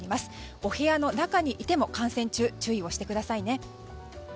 お部屋の中にいても観戦中は注意してくださいね。